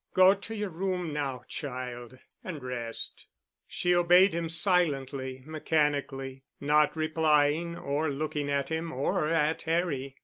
Go to your room now, child, and rest." She obeyed him silently, mechanically, not replying or looking at him or at Harry.